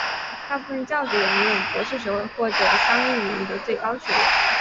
大部分教职人员拥有博士学位或者相应领域的最高学位。